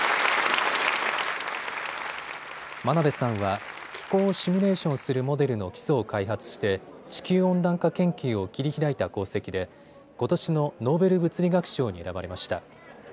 真鍋さんは気候をシミュレーションするモデルの基礎を開発して地球温暖化研究を切り開いた功績でことしのノーベル物理学賞に選ばれました。